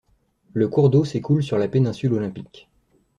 Le cours d'eau s'écoule sur la péninsule Olympique.